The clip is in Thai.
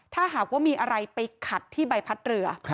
ถ้าหากว่ามีอะไรไปขัดที่ใบพัดเรือ